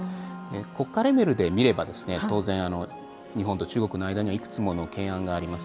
国家レベルで見れば当然、日本と中国の間にはいくつもの懸案があります。